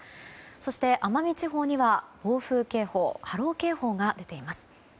そして奄美地方には暴風警報波浪警報が出ています。